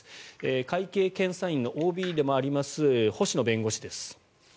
会計検査院のＯＢでもあります星野弁護士です。